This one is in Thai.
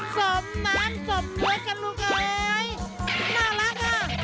สมน้ำสมเนื้อกันครับลูกไอ้น่ารักฮ่า